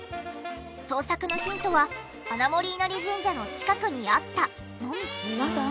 捜索のヒントは「穴守稲荷神社の近くにあった」のみ。